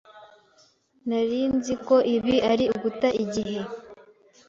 Nari nzi ko ibi ari uguta igihe.